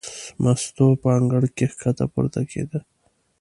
مستو په انګړ کې ښکته پورته کېده.